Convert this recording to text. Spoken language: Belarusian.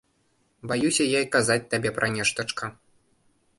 Баюся я й казаць табе пра нештачка.